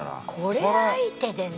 これ相手でね。